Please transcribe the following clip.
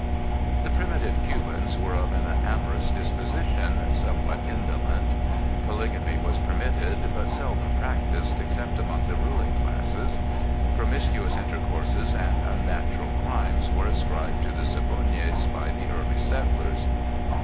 The primitive Cubans were of an amorous disposition, somewhat indolent. Polygamy was permitted, but seldom practiced except among the ruling classes; promiscuous intercourses and unnatural crimes were ascribed to the Siboneyes by the early settlers.